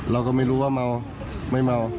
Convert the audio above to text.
เราก็ไม่รู้ว่าเมาไม่เมา